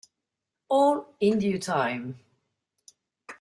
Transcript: All in due time.